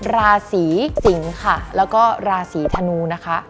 ราศีสิงค่ะแล้วก็ราศีธนูนะคะ